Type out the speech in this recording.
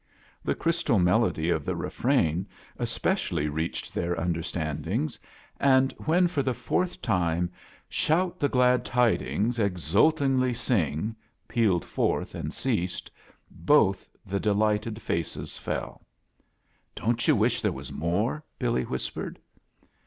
The crystal mel ody of the refrain especially reached their understandings, and when for the fourth time "Shout the glad tidings, ezultiogly sing," pealed forth and ceased, both the delighted faces fell "Don't you wish there was more?" BiUy whispered.